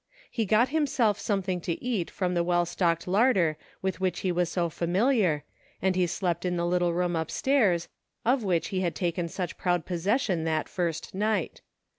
He got himself some thing to eat from the well stocked larder with which he was so familiar, and he slept in the little room upstairs, of which he had taken such proud possession that first night.